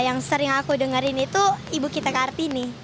yang sering aku dengerin itu ibu kita kartini